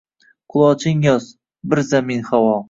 Quloching yoz — bir zamin havo.